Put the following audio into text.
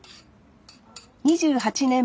２８年